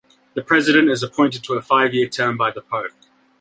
The President is appointed to a five-year term by the Pope.